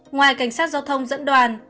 ngoài cảnh sát giao thông dẫn đoàn